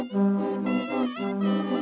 pertama suara dari biasusu